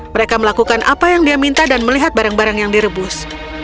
mereka melakukan apa yang dia minta dan melihat barang barang yang direbus